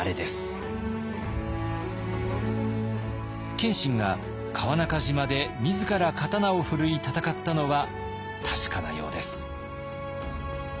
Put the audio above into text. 謙信が川中島で自ら刀を振るい戦ったのは確かなようです。